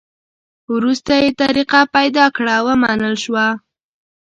وروسته یې طریقه پیدا کړه؛ ومنل شوه.